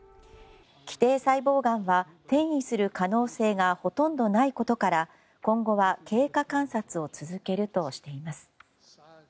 基底細胞がんは転移する可能性がほとんどないことから今後は経過観察を続けるとしています。